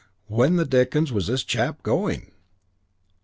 When the dickens was this chap going?